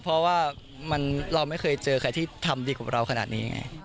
เพราะว่าเราไม่เคยเจอใครที่ทำดีกว่าเราขนาดนี้ไง